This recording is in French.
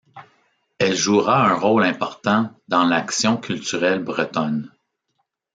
Elle jouera un rôle important dans l'action culturelle bretonne.